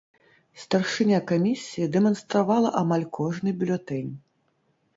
Старшыня камісіі дэманстравала амаль кожны бюлетэнь.